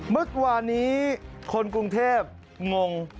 มึกวานี้คนกรุงเทพงง